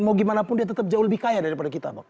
mau gimana pun dia tetap jauh lebih kaya daripada kita bang